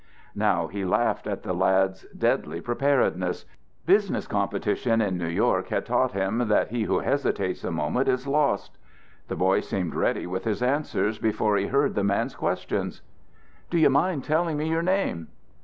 Now he laughed at the lad's deadly preparedness; business competition in New York had taught him that he who hesitates a moment is lost. The boy seemed ready with his answers before he heard the man's questions. "Do you mind telling me your name?"